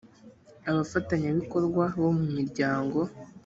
abafatanyabikorwa bo mu miryango